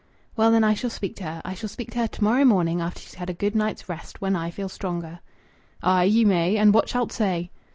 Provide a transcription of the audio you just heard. "Well, then, I shall speak to her I shall speak to her to morrow morning, after she's had a good night's rest, when I feel stronger." "Ay! Ye may! And what shalt say?"